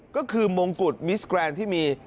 ก็คือมงกุฎมิสแกรนด์ที่มี